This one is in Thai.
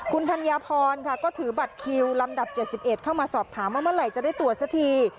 คุณธัญพรค่ะก็ถือบัตรคิวลำดับ๗๑เข้ามาสอบถามว่าเมื่อไหร่จะได้ตรวจสักที